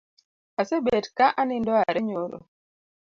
Asebet ka anindo are nyoro